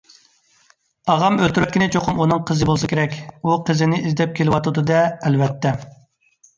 ئاغام ئۆلتۈرۈۋەتكىنى چوقۇم ئۇنىڭ قىزى بولسا كېرەك. ئۇ قىزىنى ئىزدەپ كېلىۋاتىدۇ - دە، ئەلۋەتتە!